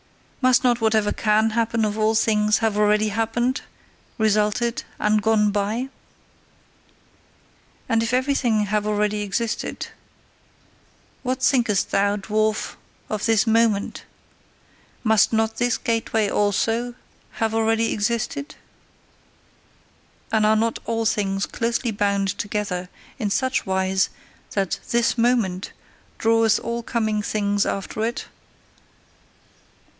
Must not whatever CAN happen of all things have already happened, resulted, and gone by? And if everything have already existed, what thinkest thou, dwarf, of This Moment? Must not this gateway also have already existed? And are not all things closely bound together in such wise that This Moment draweth all coming things after it?